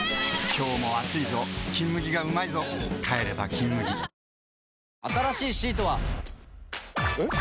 今日も暑いぞ「金麦」がうまいぞ帰れば「金麦」新しいシートは。えっ？